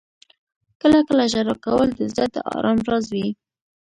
• کله کله ژړا کول د زړه د آرام راز وي.